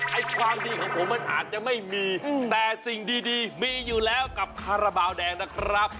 ไอ้ความดีของผมมันอาจจะไม่มีแต่สิ่งดีมีอยู่แล้วกับคาราบาลแดงนะครับ